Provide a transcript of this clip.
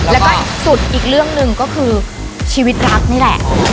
แล้วก็สุดอีกเรื่องหนึ่งก็คือชีวิตรักนี่แหละ